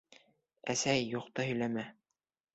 Әсәй, юҡты һөйләмә!